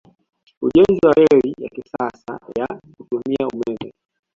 Ujenzi wa Reli ya kisasa ya kutumia mumeme